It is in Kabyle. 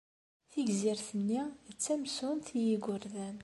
Tigzirt-nni d tamsunt i yigerdan.